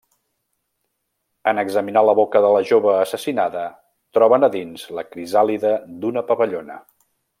En examinar la boca de la jove assassinada, troben a dins la crisàlide d'una papallona.